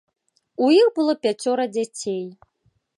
У іх было пяцёра дзяцей.